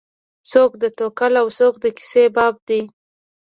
څوک د تکل او څوک د کیسې بابا دی.